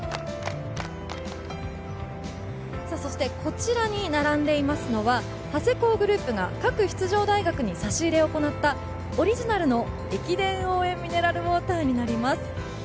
こちらに並んでいるのは長谷工グループが各出場大学に差し入れを行ったオリジナルの駅伝応援ミネラルウォーターになります。